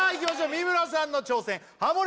三村さんの挑戦ハモリ